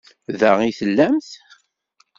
Da i tellamt?